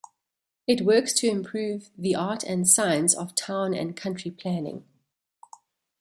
It works to improve the art and science of town and country planning.